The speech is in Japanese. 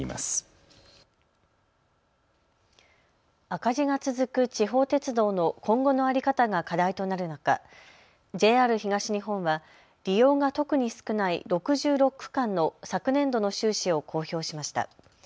赤字が続く地方鉄道の今後の在り方が課題となる中、ＪＲ東日本は利用が特に少ない６６区間の昨年度の収支を公表しました。